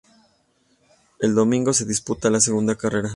El domingo se disputa la segunda carrera.